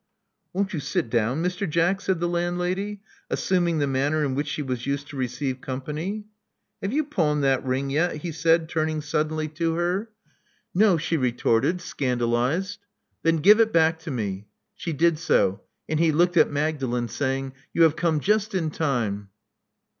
"Won't you sit down, Mr. Jack?" said the landlady, assuming the manner in which she was used to receive company. "Have you pawned that ring yet?" be said, turning suddenly to her. Love Among the Artists 93 No," she retorted, scandalized. *'Tben give it back to me." She did so; and he looked at Magdalen, saying, You have come just in time."